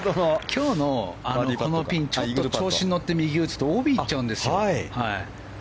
今日の、このホールは調子に乗って右に打つとＯＢ行っちゃうんですよ。